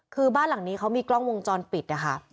คือบ้านหลังนี้เขามีกล้องวงจรปิดนะคะ